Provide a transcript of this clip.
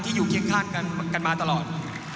อยู่เคียงข้างกันมาตลอด